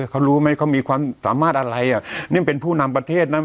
เขารู้ไหมเขามีความสามารถอะไรอ่ะนี่มันเป็นผู้นำประเทศนะ